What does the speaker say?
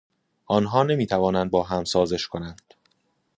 آنﮩا نمیتوانند باهم سازش کنند